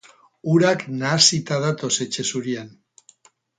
Urak nahasita datoz etxe zurian.